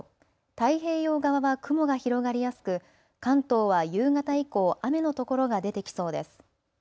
太平洋側は雲が広がりやすく関東は夕方以降雨のところが出てきそうです。